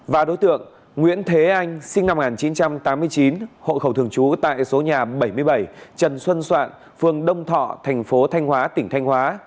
và đối tượng nguyễn thế anh sinh năm một nghìn chín trăm tám mươi chín hộ khẩu thường trú tại số nhà bảy mươi bảy trần xuân soạn phường đông thọ thành phố thanh hóa tỉnh thanh hóa